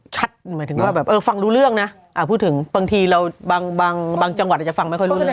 จังหวัดอาจจะฟังไม่ค่อยเรื่อย